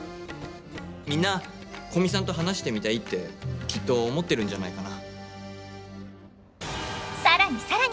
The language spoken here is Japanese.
みんな古見さんと話してみたいってきっと思ってるんじゃないかな。